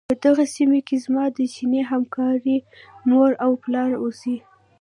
په دغې سيمې کې زما د چيني همکارې مور او پلار اوسيږي.